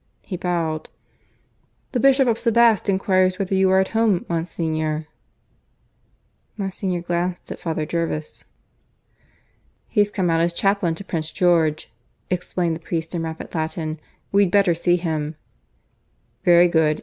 He bowed. "The Bishop of Sebaste enquires whether you are at home, Monsignor?" Monsignor glanced at Father Jervis. "He's come out as chaplain to Prince George," explained the priest in rapid Latin. "We'd better see him." "Very good. .